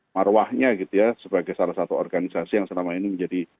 marwahnya sebagai salah satu organisasi yang selama ini menjadi